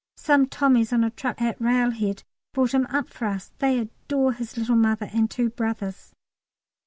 Some Tommies on a truck at Railhead brought him up for us; they adore his little mother and two brothers.